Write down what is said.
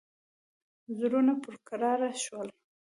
زړونه پر کراره شول.